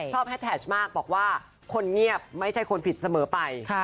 แฮดแท็กมากบอกว่าคนเงียบไม่ใช่คนผิดเสมอไป